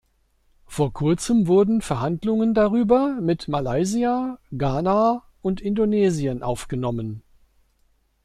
Vor kurzem wurden Verhandlungen darüber mit Malaysia, Ghana und Indonesien aufgenommen.